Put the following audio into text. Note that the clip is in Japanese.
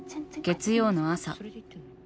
月曜の朝。